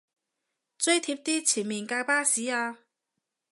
追貼啲前面架巴士吖